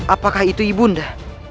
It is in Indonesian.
apakah itu ibu anda